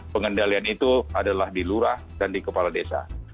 pengendalian itu adalah di lurah dan di kepala desa